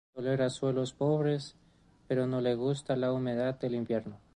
Tolera suelos pobres, pero no le gusta la humedad del invierno.